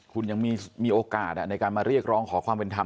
คุณยังมีโอกาสในการมาเรียกร้องขอความเป็นธรรม